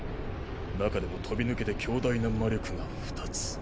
中でも飛び抜けて強大な魔力が２つ。